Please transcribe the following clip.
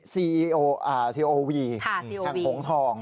ใช่ค่ะ